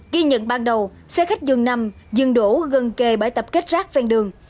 ghi nhận ban đầu xe khách dường nằm dừng đổ gần kề bãi tập kết rác ven đường